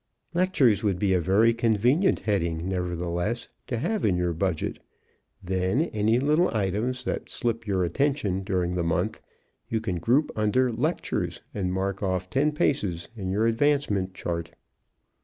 Lectures would be a very convenient heading, nevertheless, to have in your budget. Then, any little items that slip your attention during the month you can group under lectures and mark off ten paces in your advancement chart.